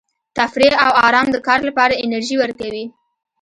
تفریح او ارام د کار لپاره انرژي ورکوي.